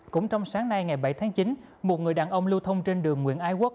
cũng trong sáng nay ngày bảy tháng chín một người đàn ông lưu thông trên đường nguyễn ái quốc